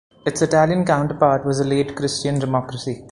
Its Italian counterpart was the late Christian Democracy.